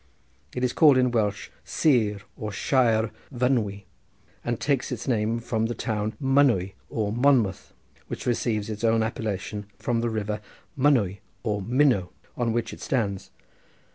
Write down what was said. It is called in Welsh Sir, or Shire, Fynwy, and takes its name from the town Mynwy or Monmouth, which receives its own appellation from the river Mynwy or Minno on which it stands.